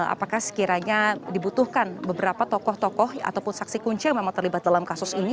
apakah sekiranya dibutuhkan beberapa tokoh tokoh ataupun saksi kunci yang memang terlibat dalam kasus ini